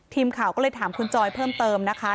ทีมข่าวก็เลยถามคุณจอยเพิ่มเติมนะคะ